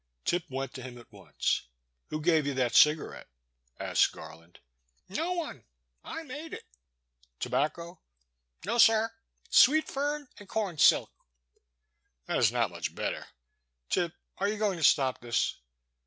Tip went to him at once. *' Who gave you that cigarette ?'* asked Garland. " No one, I made it." "Tobacco?" No, sir, sweet fern and com silk." That is not much better. Tip, are you going to stop this?